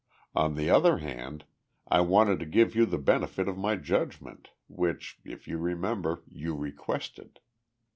On the other hand, I wanted to give you the benefit of my judgment, which, if you remember, you requested."